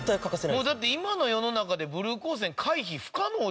もうだって今の世の中でブルー光線回避不可能でしょ。